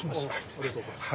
ありがとうございます。